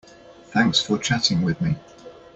Thanks for chatting with me.